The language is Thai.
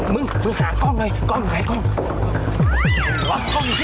มึงมึงหากล้องหน่อยลองหากล้องหน่อย